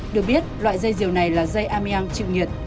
được biết loại dây diều này là dây ameang chịu nhiệt